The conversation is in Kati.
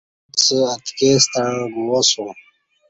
اُݩڅ اتکی ستݩع گواسوم